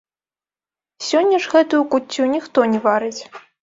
Сёння ж гэтую куццю ніхто не варыць.